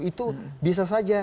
itu bisa saja